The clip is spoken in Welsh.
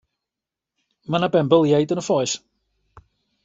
Mae 'na benbyliaid yn y ffoes.